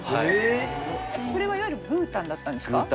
それはいわゆる「グータン」だったんですか？